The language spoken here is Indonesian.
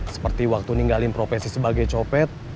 seperti waktu ninggalin profesi sebagai copet